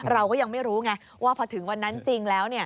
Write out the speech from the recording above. เราก็ยังไม่รู้ไงว่าพอถึงวันนั้นจริงแล้ว